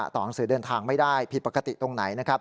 ต่อหนังสือเดินทางไม่ได้ผิดปกติตรงไหนนะครับ